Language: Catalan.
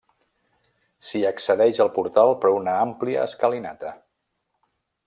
S'hi accedeix al portal per una àmplia escalinata.